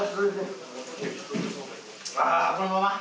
ああこのまま。